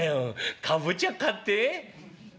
かぼちゃ買って」。